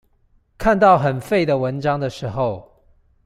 看到很廢的文章的時候